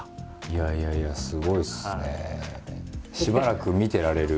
いやいやすごいですね。